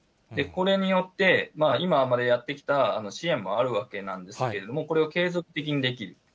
これによって、今までやってきた支援もあるわけですけれども、これを継続的にできる。